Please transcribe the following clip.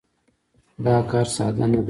دا کار ساده نه دی.